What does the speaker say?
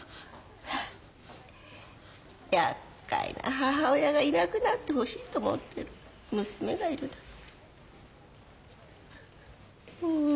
厄介な母親がいなくなってほしいと思ってる娘がいるだけ。